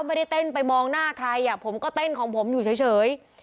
ไม่ได้เต้นไปมองหน้าใครอ่ะผมก็เต้นของผมอยู่เฉย